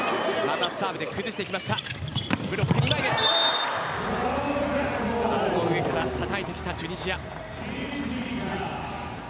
ブロック２枚の上からたたいてきたチュニジア。